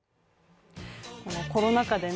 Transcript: コロナ禍でね